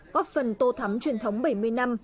có phần tô thắm truyền thống bảy mươi năm